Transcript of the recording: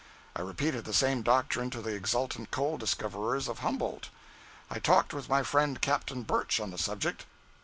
I repeated the same doctrine to the exultant coal discoverers of Humboldt. I talked with my friend Captain Burch on the subject.